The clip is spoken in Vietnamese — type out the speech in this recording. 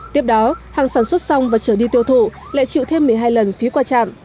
tiếp đó hàng sản xuất xong và trở đi tiêu thụ lại chịu thêm một mươi hai lần phí qua trạm